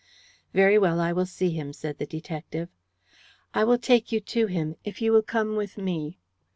"Very well, I will see him," said the detective. "I will take you to him, if you will come with me."